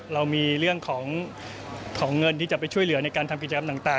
เรามีเรื่องของเงินที่จะไปช่วยเหลือในการทำกิจกรรมต่าง